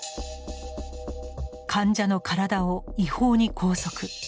患者の体を違法に拘束。